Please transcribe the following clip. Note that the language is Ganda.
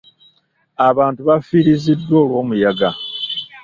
Abantu bafiiriziddwa olw'omuyaga.